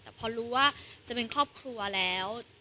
แต่พอรู้ว่าจะเป็นครอบครัวแล้ว